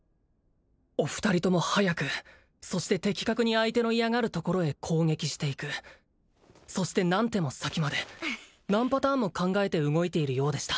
お二人とも速くそして的確に相手の嫌がるところへ攻撃していくそして何手も先まで何パターンも考えて動いているようでした